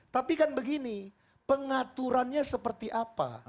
tapi kan begini pengaturannya seperti apa